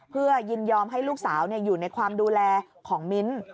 เพื่อยินยอมให้ลูกสาวอยู่ในความดูแลของมิ้น